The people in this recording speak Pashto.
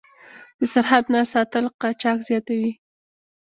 د سرحد نه ساتل قاچاق زیاتوي.